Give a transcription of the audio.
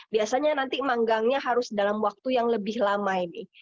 biasanya nanti manggangnya harus dalam waktu yang lebih lama ini